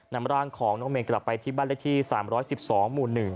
นำร่างของน้องเมนกลับไปที่บ้านเลขที่๓๑๒หมู่๑